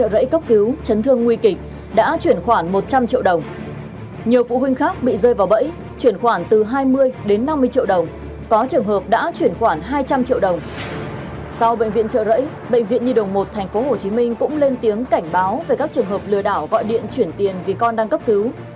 lừa đảo gọi điện chuyển tiền vì con đang cấp cứu